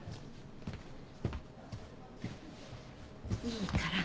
いいから。